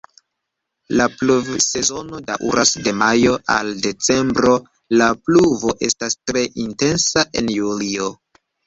La pluvsezono daŭras de majo al decembro, la pluvo estas tre intensa en julio.